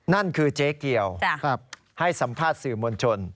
นั่นคือเจ๊เกียวให้สัมภาษณ์สื่อมวลชน